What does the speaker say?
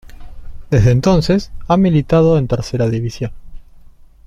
Desde entonces, ha militado en Tercera División.